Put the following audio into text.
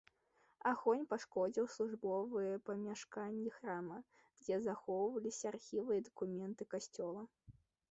Агонь пашкодзіў службовыя памяшканні храма, дзе захоўваліся архівы і дакументы касцёла.